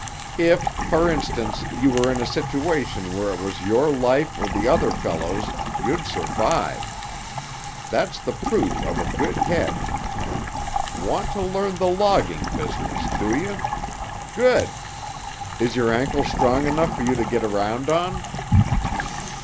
If, for instance, you were in a situation where it was your life or the other fellow's, you'd survive. That's the proof of a good head. Want to learn the logging business, do you? Good! Is your ankle strong enough for you to get around on?"